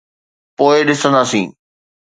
پوءِ ڏسنداسين.